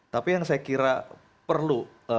tapi yang saya kira perlu